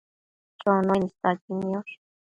Chonuen isaqui niosh